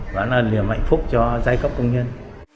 và là lìa mạnh phúc cho giai cấp công nhân